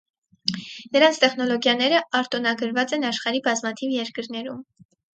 Դրանց տեխնոլոգիաները արտոնագրված են աշխարհի բազմաթիվ երկրներում։